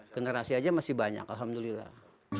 generasi aja masih banyak alhamdulillah